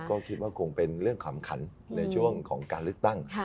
ก็คิดว่าคงเป็นเรื่องความขันในช่วงของการเลือกตั้ง